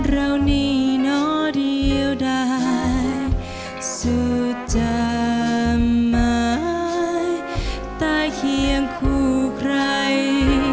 เรานี่น้อเดียวได้สุดจากหมายตายเคียงคู่ใคร